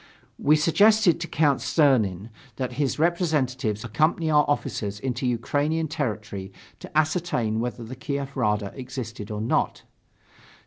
We suggested to Count Czernin that his representatives accompany our officers into Ukrainian territory to ascertain whether the Kiev Rada existed or not.